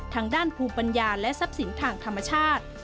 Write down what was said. ทางด้านภูมิปัญญาและทรัพย์สินทางธรรมชาติ